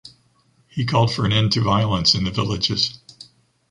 He called for an end to violence in the villages.